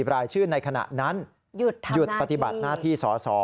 รายชื่อในขณะนั้นหยุดปฏิบัติหน้าที่สส